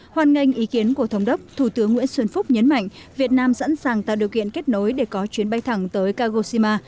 hoàn ngành ý kiến của thống đốc thủ tướng nguyễn xuân phúc nhấn mạnh việt nam sẵn sàng tạo điều kiện kết nối để có chuyến bay thẳng tới kagoshima